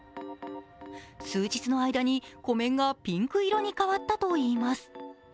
数日の間に湖面がピンク色に変わったといいます。